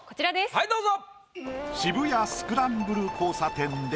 はいどうぞ。